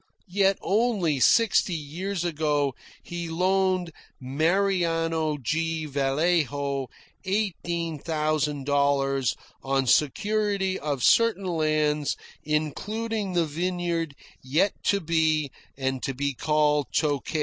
Yet only sixty years ago he loaned Mariano G. Vallejo eighteen thousand dollars on security of certain lands including the vineyard yet to be and to be called Tokay.